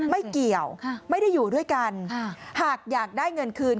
ไม่เกี่ยวไม่ได้อยู่ด้วยกันหากอยากได้เงินคืน